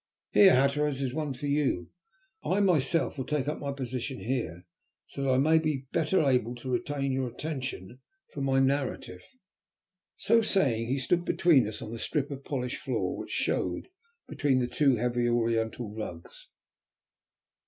"Here, Hatteras, is one for you. I myself will take up my position here, so that I may be better able to retain your attention for my narrative." So saying he stood between us on the strip of polished floor which showed between two heavy oriental rugs.